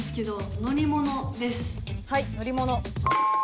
はい乗り物。